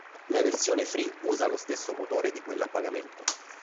La versione Free usa lo stesso motore di quella a pagamento.